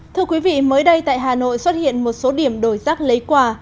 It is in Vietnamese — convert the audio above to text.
thưa quý vị mới đây tại hà nội xuất hiện một số điểm đổi rác lấy quà